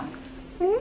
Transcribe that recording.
うん？